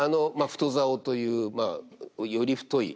太棹というより太い。